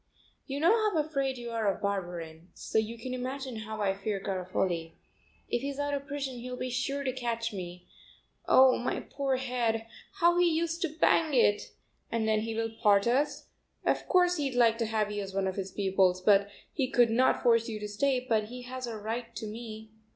"You know how afraid you are of Barberin, so you can imagine how I fear Garofoli. If he's out of prison he'll be sure to catch me. Oh, my poor head; how he used to bang it! And then he will part us; of course he'd like to have you as one of his pupils, but he could not force you to stay, but he has a right to me.